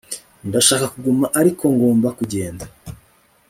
Ndashaka kuguma ariko ngomba kugenda